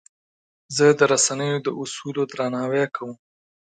زه د رسنیو د اصولو درناوی کوم.